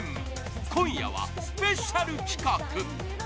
今夜はスペシャル企画。